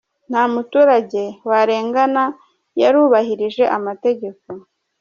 Nta muturage warengana yarubahirije amategeko